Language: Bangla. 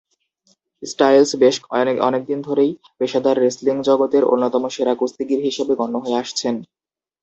স্টাইলস বেশ অনেকদিন ধরেই পেশাদার রেসলিং জগতের অন্যতম সেরা কুস্তিগির হিসেবে গণ্য হয়ে আসছেন।